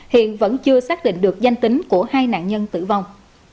hiện vẫn chưa xác định được danh tính của hai nạn nhân tử vong